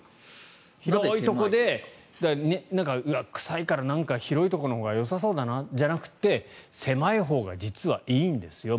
広いところでうわ、臭いからなんか広いところのほうがよさそうだな、じゃなくて狭いほうが実はいいんですよ。